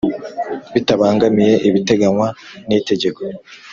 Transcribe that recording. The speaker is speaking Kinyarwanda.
Bitabangamiye ibiteganywa n itegeko